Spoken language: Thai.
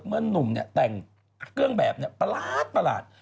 เมื่อนุ่มแต่งเกื้องแบบประหลาด